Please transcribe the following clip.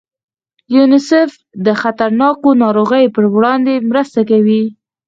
یونیسف د خطرناکو ناروغیو په وړاندې مرسته کوي.